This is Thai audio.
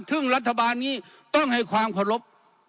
ซึ่งรัฐบาลนี้ต้องให้ความเคารพ